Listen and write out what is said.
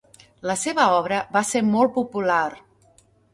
La seva obra va ser molt popular.